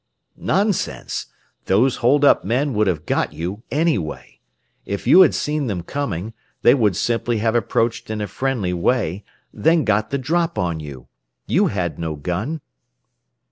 "Nonsense! Those hold up men would have got you, anyway. If you had seen them coming, they would simply have approached in a friendly way, then got the drop on you. You had no gun.